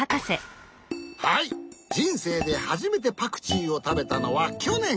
はいじんせいではじめてパクチーをたべたのはきょねん！